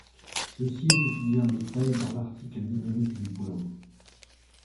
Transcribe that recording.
Ceci est étudié en détail dans l'article dynamique du point.